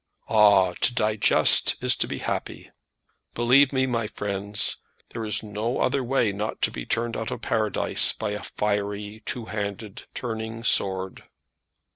Ah, to digest is to be happy! Believe me, my friends, there is no other way not to be turned out of paradise by a fiery two handed turning sword."